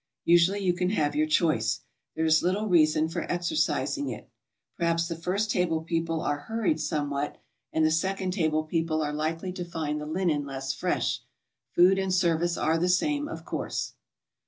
Usually you can have your choice. There is little reason for exercising it. Perhaps the first table people are hurried somewhat, and the second table people are likely to find the linen less fresh. Food and service are the same, of course.